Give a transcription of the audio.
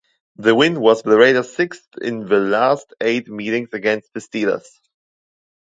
The win was the Raiders sixth in the last eight meetings against the Steelers.